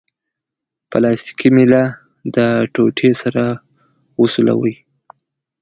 پلاستیکي میله د ټوټې سره وسولوئ.